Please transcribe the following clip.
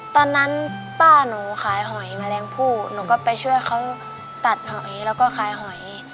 ตอนนั้นป้าหนูขายหอยแมลงผู้หนูก็ไปช่วยเขาตัดหอยแล้วก็ขายหอย